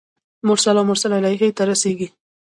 مرسل او مرسل الیه ته رسیږي.